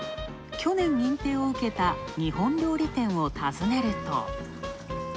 去年認定を受けた日本料理店を訪ねると。